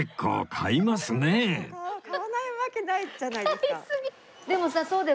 買わないわけないじゃないですか。